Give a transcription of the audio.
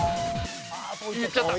いっちゃった！